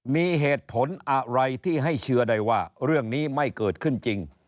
มีเหตุผลอะไรที่ให้เชื่อได้ว่าเรื่องนี้ไม่เกิดขึ้นจริง